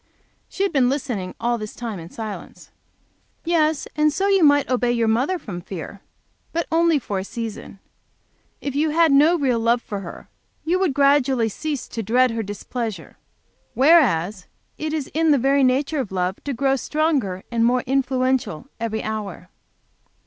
She had been listening all this time in silence. "Yes; and so you might obey your mother from fear, but only for a season. If you had no real love for her you would gradually cease to dread her displeasure, whereas it is in the very nature of love to grow stronger and more influential every hour."